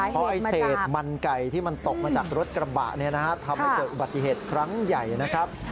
เพราะไอ้เศษมันไก่ที่มันตกมาจากรถกระบะทำให้เกิดอุบัติเหตุครั้งใหญ่นะครับ